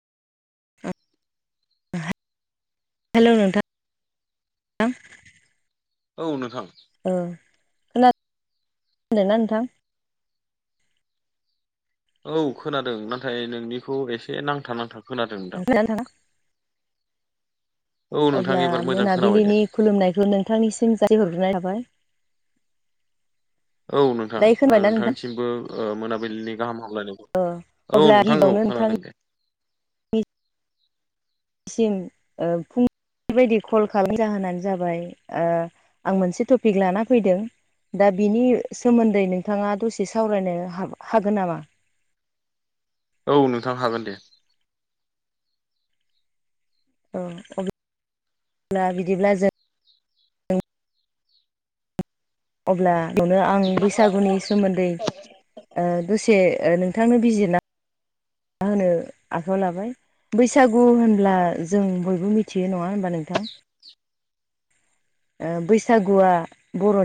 Hello नोंथां [unintelligible] औ नोंथां औ खोन होनदों ना नोंथां औ खोनादों नाथाय नोंनिखौ एसे नांथा नांथा खोनादों नोंथां खोनादोंना नोंथाङा? औ नोंथां अब्ला एबार मोजां खोनाबाय दे मोनाबिलिनि खुलुमनायखौ नोंथांनिसिम जासिहरग्रोनाय थाबाय औ नोंथां दायो खोनाबायना नोंथां नोंथांसिमबो मोनाबिलिनि गाहाम हामलायनायखौ औ अब्ला नोंथां औ गिबियावनो खोनादों दे नोंथांनिसिम [unintelligible] बेबायदि कल खालाम जाहोनानो जाबाय आं मोनसे टपिक लाना फैदों दा बिनि सोमोन्दै नोंथाङा दसे सावरायनो हा हागोन नामा औ नोंथां हागोन दे औ अब्लाब्ला बिदिब्ला जों अब्ला नुनो आं बैसागुनि सोमोन्दै दसे नोंथांनो बिजिरना मा होनो आखायाव लाबाय बैसागु होनब्ला जों बयबो मिथियो नंङा होन होमबा नोंथां ओ बैसागुआ बर'नि